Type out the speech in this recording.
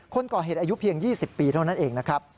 คนก่อเหตุอายุเพียง๒๐ปีเท่านั้นเองนะครับ